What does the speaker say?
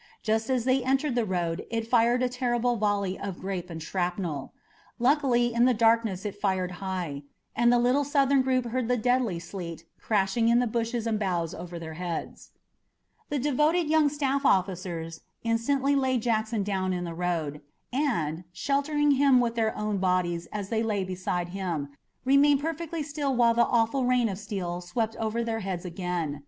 Just as they entered the road it fired a terrible volley of grape and shrapnel. Luckily in the darkness it fired high, and the little Southern group heard the deadly sleet crashing in the bushes and boughs over their heads. The devoted young staff officers instantly laid Jackson down in the road, and, sheltering him with their own bodies as they lay beside him, remained perfectly still while the awful rain of steel swept over their heads again.